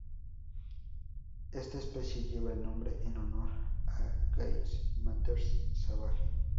Esta especie lleva el nombre en honor a Jay Mathers Savage.